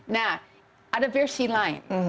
nah ada versi lain